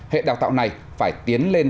hệ đào tạo này phải tiến lên